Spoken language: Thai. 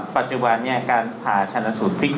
ปัจจุบันเนี่ยการภาชาญสูตรพิษศพ